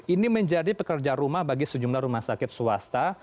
ini menjadi pekerja rumah bagi sejumlah rumah sakit swasta